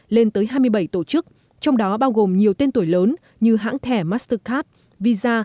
lên tới hai mươi bảy tổ chức trong đó bao gồm nhiều tên tuổi lớn như hãng thẻ mastercard visa